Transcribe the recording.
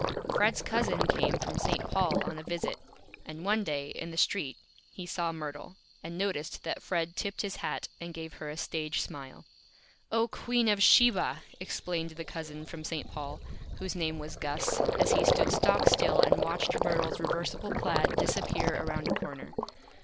Fred's Cousin came from St. Paul on a Visit; and one Day, in the Street, he saw Myrtle, and noticed that Fred tipped his Hat, and gave her a Stage Smile. "Oh, Queen of Sheba!" exclaimed the Cousin from St. Paul, whose name was Gus, as he stood stock still and watched Myrtle's Reversible Plaid disappear around a Corner.